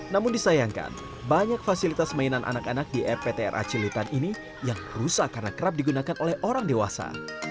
namun disayangkan banyak fasilitas mainan anak anak di rptra cilitan ini yang rusak karena kerap digunakan oleh orang dewasa